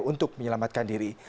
untuk menyelamatkan diri